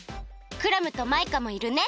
クラムとマイカもいるね？